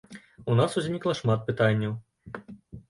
У нас узнікла шмат пытанняў.